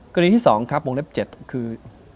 กรณีที่๒ครับโรงเรียบ๗คือ